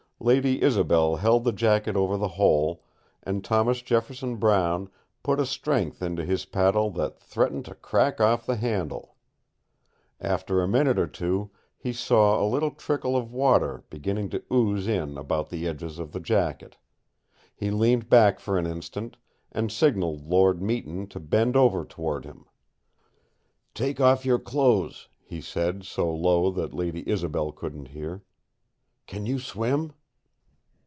Lady Isobel held the jacket over the hole, and Thomas Jefferson Brown put a strength into his paddle that threatened to crack off the handle. After a minute or two, he saw a little trickle of water, beginning to ooze in about the edges of the jacket. He leaned back for an instant, and signaled Lord Meton to bend over toward him. "Take off your clothes," he said, so low that Lady Isobel couldn't hear. "Can you swim?"